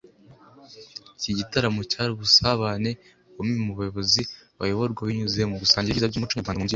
Iki gitaramo cyari ubusabane bukomeye mu bayobozi n’abayoborwa binyuze mu gusangira ibyiza by’umuco nyarwanda mu mbyino